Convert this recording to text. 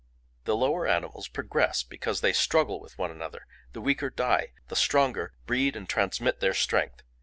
The lower animals progress because they struggle with one another; the weaker die, the stronger breed and transmit their strength.